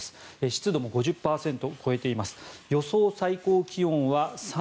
湿度も５０％を超えています。